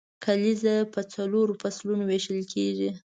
کلیزه په څلورو فصلو ویشل کیږي.